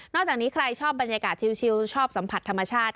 จากนี้ใครชอบบรรยากาศชิวชอบสัมผัสธรรมชาติ